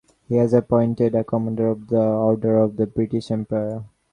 He was appointed a Commander of the Order of the British Empire.